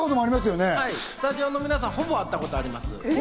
スタジオの皆さん、ほぼ会ったことあります。